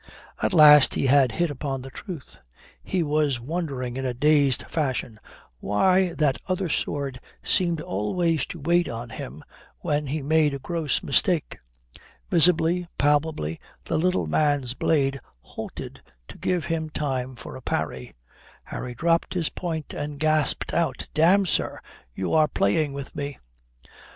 At last he had hit upon the truth. He was wondering in a dazed fashion why that other sword seemed always to wait on him when he made a gross mistake. Visibly, palpably, the little man's blade halted to give him time for a parry. Harry dropped his point and gasped out, "Damme, sir, you are playing with me."